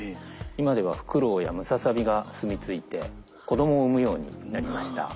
今ではフクロウやムササビがすみ着いて子供を産むようになりました。